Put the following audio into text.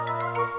tidak ada apa apa